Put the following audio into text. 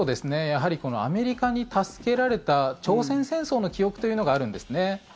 やはりアメリカに助けられた朝鮮戦争の記憶というのがあるんですね。